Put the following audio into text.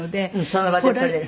その場で撮れる。